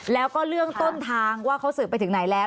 แล้วก็เรื่องต้นทางว่าเขาสืบไปถึงไหนแล้ว